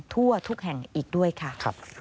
ทั่วทุกแห่งอีกด้วยค่ะ